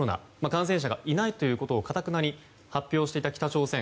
感染者がいないということをかたくなに発表していた北朝鮮。